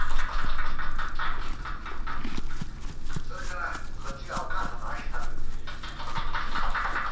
それからこっちがお母さんのあきさんです。